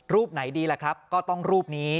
รูปไหนดีล่ะครับก็ต้องรูปนี้